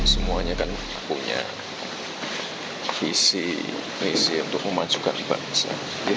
semuanya kan punya visi misi untuk memajukan bangsa